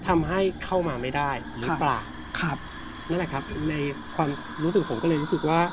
ทำให้เข้ามาไม่ได้หรือเปล่าครับนั่นแหละครับในความรู้สึกผมก็เลยรู้สึกว่า